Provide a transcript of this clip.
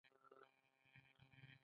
د کاناډا موسیقي صادرات لري.